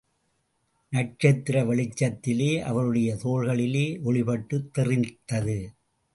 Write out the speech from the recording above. நட்சத்திர வெளிச்சத்திலே அவளுடைய தோள்களிலே ஒளிபட்டுத் தெறித்தது.